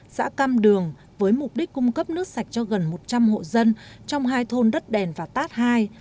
xã cam đường với mục đích cung cấp nước sạch cho gần một trăm linh hộ dân trong hai thôn đất đèn và tát hai